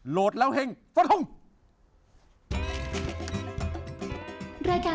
โหลดแล้วเฮ่งสวัสดีครับ